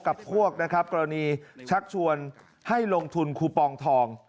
กับพวกนะครับกรณีชักชวนให้ลงทุนคูปองทอง